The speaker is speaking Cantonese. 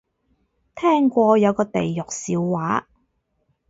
聽過有個地獄笑話